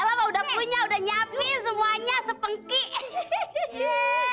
elah pak udah punya udah nyapin semuanya sepenginya